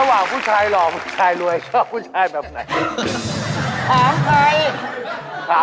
ระหว่างผู้ชายหล่อผู้ชายรวยชอบผู้ชายแบบไหน